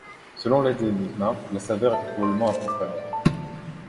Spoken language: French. Selon Ledezma, la saveur était probablement un peu trop amère.